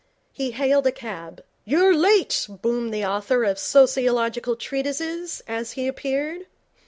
He hailed a cab. 'You're late,' boomed the author of sociological treatises, as he appeared.